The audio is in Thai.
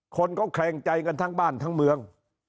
คนก็แขลงใจกันทั้งบ้านทั้งเมือง